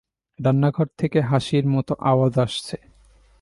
রান্নাঘর থেকে হাসির মতো আওয়াজ আসছে।